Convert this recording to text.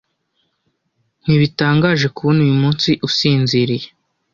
Ntibitangaje kubona uyumunsi usinziriye.